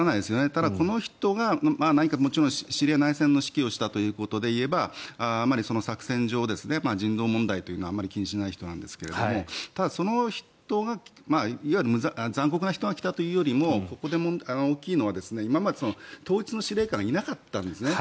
ただ、この人がシリア内戦の指揮をしたということで言えば作戦上、人道問題はあまり気にしない人なんですがただ、その人が、いわゆる残酷な人が来たというよりもここで大きいのは今まで統一の司令官がいなかったんですね。